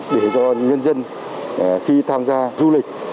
để do nhân dân khi tham gia du lịch